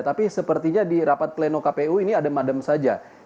tapi sepertinya di rapat pleno kpu ini ada madem saja